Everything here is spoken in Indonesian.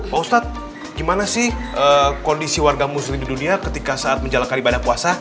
pak ustadz gimana sih kondisi warga muslim di dunia ketika saat menjalankan ibadah puasa